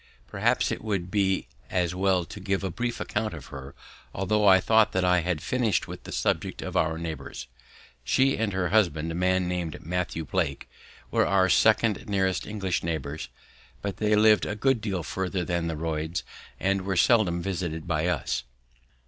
Perhaps it would be as well to give a brief account of her, although I thought that I had finished with the subject of our neighbours. She and her husband, a man named Matthew Blake, were our second nearest English neighbours, but they lived a good deal further than the Royds and were seldom visited by us.